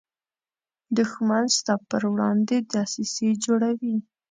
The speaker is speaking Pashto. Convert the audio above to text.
دښمن ستا پر وړاندې دسیسې جوړوي